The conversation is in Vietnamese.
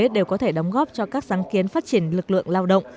đều có thể đóng góp cho các sáng kiến phát triển lực lượng lao động